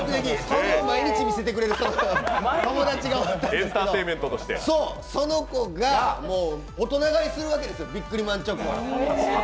それを毎日見せてくれる友達がおったんですが、その子が大人買いするわけですよ、ビックリマンチョコを。